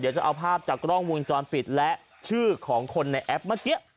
เดี๋ยวจะเอาภาพจากกล้องวงจรปิดและชื่อของคนในแอปเมื่อกี้